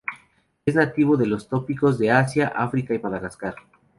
Es nativo de los trópicos de Asia, África y Madagascar.